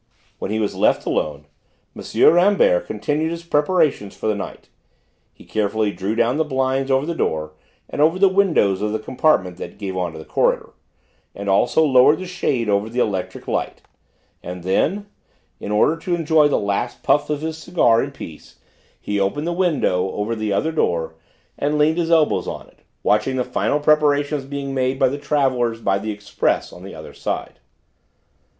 When he was left alone, M. Rambert continued his preparations for the night. He carefully drew down the blinds over the door and over the windows of the compartment that gave on to the corridor, and also lowered the shade over the electric light, and then, in order to enjoy the last puffs at his cigar in peace, he opened the window over the other door and leant his elbows on it, watching the final preparations being made by the travellers by the express on the other line.